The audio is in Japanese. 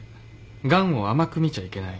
ガンを甘く見ちゃいけない。